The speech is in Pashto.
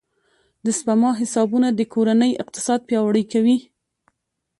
د سپما حسابونه د کورنۍ اقتصاد پیاوړی کوي.